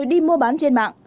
đi mua bán trên mạng